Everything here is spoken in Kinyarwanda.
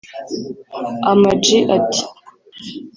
Ama G ati